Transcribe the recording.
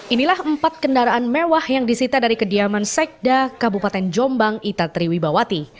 inilah empat kendaraan mewah yang disita dari kediaman sekda kabupaten jombang ita triwibawati